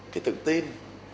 cái tự tin